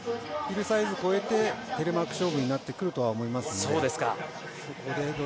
ヒルサイズ越えてテレマーク勝負になってくると思いますね。